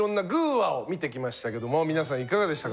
話」を見てきましたけども皆さんいかがでしたか？